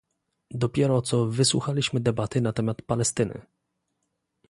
Dopiero co wysłuchaliśmy debaty na temat Palestyny